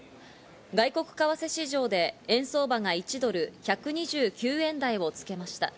外国為替市場で円相場が１ドル＝１２９円台をつけました。